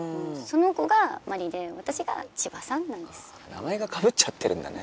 名前がかぶっちゃてるんだね。